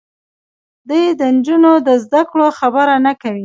دوی د نجونو د زدهکړو خبره نه کوي.